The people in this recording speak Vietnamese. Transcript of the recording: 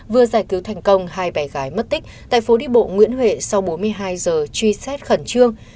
vừa giải cứu thành công hai bé gái mất tích tại phố đi bộ nguyễn huệ sau bốn mươi hai giờ truy xét khẩn trương